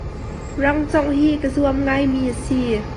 Rangcongh hi ka zuam ngai mi a si.